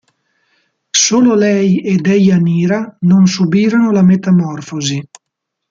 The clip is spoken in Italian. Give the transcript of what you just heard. Solo lei e Deianira non subirono la metamorfosi.